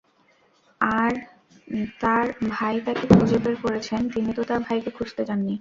তাঁর ভাই তাঁকে খুঁজে বের করেছেন, তিনি তো তাঁর ভাইকে খুঁজতে যাননি।